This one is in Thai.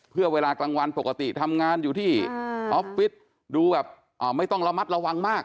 เพื่อเวลากลางวันปกติทำงานอยู่ที่ออฟฟิศดูแบบไม่ต้องระมัดระวังมาก